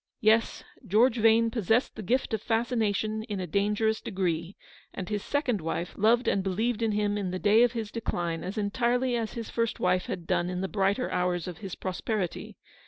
Yes : George Vane possessed the gift of fasci nation in a dangerous degree, and his second wife loved and believed in him in the day of his de cline, as entirely as his first wife had done in the brighter hours of his prosperity.